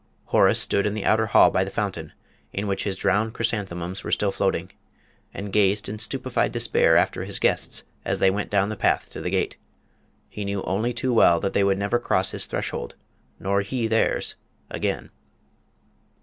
Horace stood in the outer hall by the fountain, in which his drowned chrysanthemums were still floating, and gazed in stupefied despair after his guests as they went down the path to the gate. He knew only too well that they would never cross his threshold, nor he theirs, again.